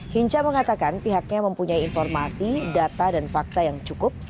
hinca mengatakan pihaknya mempunyai informasi data dan fakta yang cukup